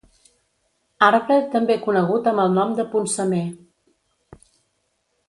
Arbre també conegut amb el nom de poncemer.